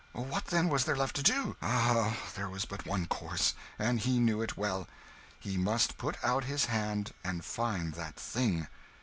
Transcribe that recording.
What, then, was there left to do? Ah, there was but one course; he knew it well he must put out his hand and find that thing!